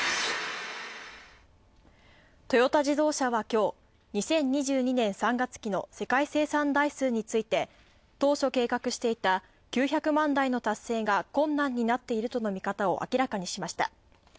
トヨタ自動車はきょう、２０２２年３月期の世界生産台数について当初計画していた９００万台の達成が困難になっているとの見方を明らかにしました。